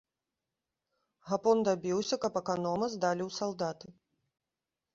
Гапон дабіўся, каб аканома здалі ў салдаты.